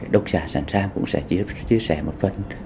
độc giả sẵn sàng cũng sẽ chia sẻ một phần